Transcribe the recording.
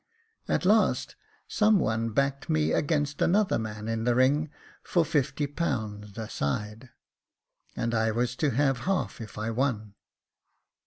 At last, some one backed me against another man in the ring for fifty pound aside, and I was to have half, if I won.